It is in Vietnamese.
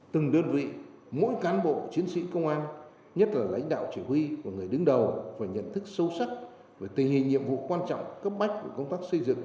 từng đơn vị mỗi cán bộ chiến sĩ công an nhất là lãnh đạo chỉ huy của người đứng đầu phải nhận thức sâu sắc về tình hình nhiệm vụ quan trọng cấp bách của công tác xây dựng